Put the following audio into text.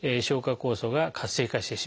酵素が活性化してしまうと。